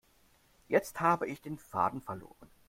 Jetzt habe ich den Faden verloren.